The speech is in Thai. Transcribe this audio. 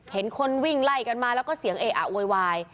เห็นคนวิ่งไล่กันมาแล้วก็เสียงเออะโวยวาย